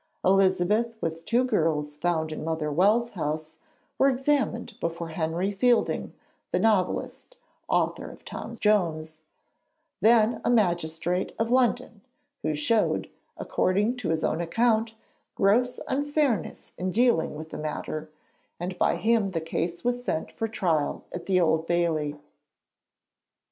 Elizabeth, with two girls found in Mother Wells' house, were examined before Henry Fielding, the novelist, author of 'Tom Jones,' then a magistrate of London, who showed, according to his own account, gross unfairness in dealing with the matter, and by him the case was sent for trial at the Old Bailey.